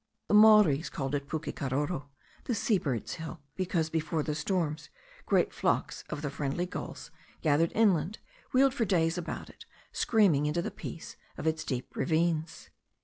The Maoris called it Pukekaroro, the seabird's hill, because before the storms great flocks of the friendly gulls, gathering inland, wheeled for days about it, screaming into the peace of its deep ravines.